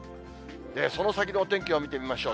その先のお天気を見てみましょう。